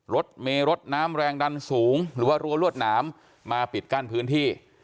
รถเมรถน้ำแรงดันสูงหรือว่ารั้วรวดหนามมาปิดกั้นพื้นที่